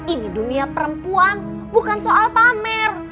ini dunia perempuan bukan soal pamer